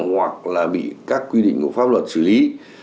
hoặc là bị các quy định của pháp luật xử lý